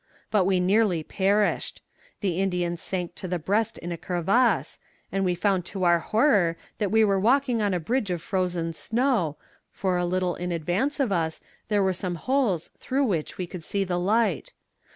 But we nearly perished. The Indian sank to the breast in a crevasse, and we found to our horror that we were walking on a bridge of frozen snow, for a little in advance of us there were some holes through which we could see the light.